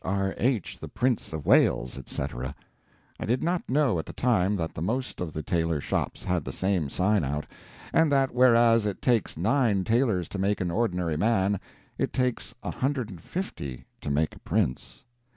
R. H. the Prince of Wales," etc. I did not know at the time that the most of the tailor shops had the same sign out, and that whereas it takes nine tailors to make an ordinary man, it takes a hundred and fifty to make a prince.